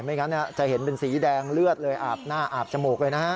ไม่งั้นจะเห็นเป็นสีแดงเลือดเลยอาบหน้าอาบจมูกเลยนะฮะ